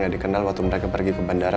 dikenal waktu mereka pergi ke bandara